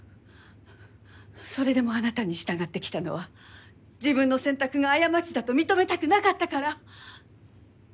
それでもあなたに従ってきたのは自分の選択が過ちだと認めたくなかったから。